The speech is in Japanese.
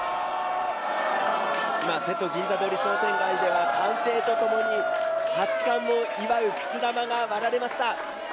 瀬戸市の商店街では歓声とともに八冠を祝うくす玉が割られました。